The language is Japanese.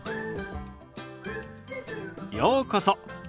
ようこそ。